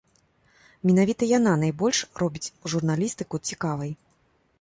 Менавіта яна найбольш робіць журналістыку цікавай.